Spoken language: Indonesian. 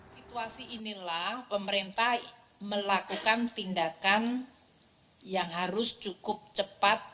situasi inilah pemerintah melakukan tindakan yang harus cukup cepat